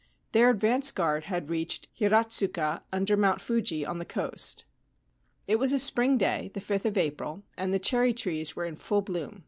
Their advance guard had reached Hiratsuka, under Mount Fuji, on the coast. It was a spring day, the 5th of April, and the cherry trees were in full bloom.